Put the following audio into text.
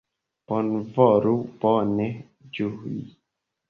Bonvolu bone ĝui!